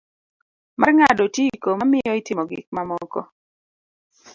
Mar ng'ado otiko ma miyo itimo gik mamoko.